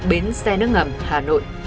bến xe nước ngầm hà nội